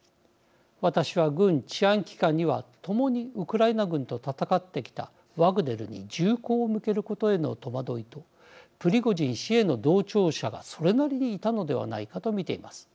私は軍治安機関には共にウクライナ軍と戦ってきたワグネルに銃口を向けることへの戸惑いとプリゴジン氏への同調者がそれなりにいたのではないかと見ています。